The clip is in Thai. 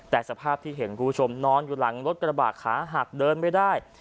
แต่สภาพที่เห็นคุณผู้ชมนอนอยู่หลังรถกระบะขาหักเดินไม่ได้